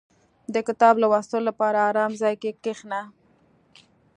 • د کتاب لوستلو لپاره آرام ځای کې کښېنه.